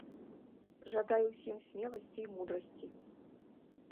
Жадаю ўсім смеласці і мудрасці!